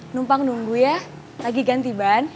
numpang nunggu ya lagi ganti ban